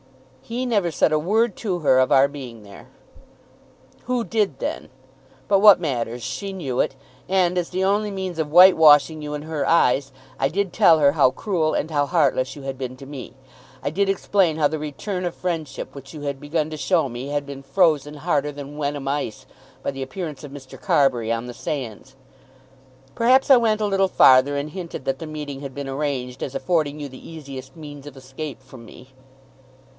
"He never said a word to her of our being there." "Who did then? But what matters? She knew it; and, as the only means of whitewashing you in her eyes, I did tell her how cruel and how heartless you had been to me. I did explain how the return of friendship which you had begun to show me, had been frozen, harder than Wenham ice, by the appearance of Mr. Carbury on the sands. Perhaps I went a little farther and hinted that the meeting had been arranged as affording you the easiest means of escape from me."